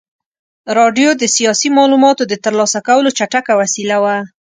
راډیو د سیاسي معلوماتو د ترلاسه کولو چټکه وسیله وه.